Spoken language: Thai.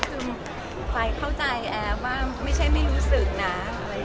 คือไฟเข้าใจแอฟว่าไม่ใช่ไม่รู้สึกนะ